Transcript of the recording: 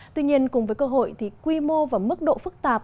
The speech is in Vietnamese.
tuy nhiên cùng với cơ hội quy mô và mức độ phức tạp